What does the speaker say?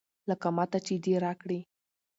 لکه ماته چې دې راکړي.